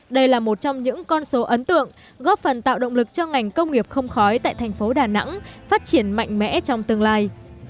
đây là một trong những con số ấn tượng góp phần tạo động lực cho ngành công nghiệp không khói tại thành phố đà nẵng phát triển mạnh mẽ trong tương lai